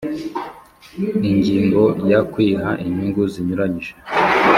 Ingingo ya Kwiha inyungu zinyuranyije